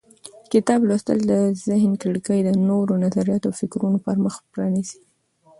کتاب لوستل د ذهن کړکۍ د نوو نظریاتو او فکرونو پر مخ پرانیزي.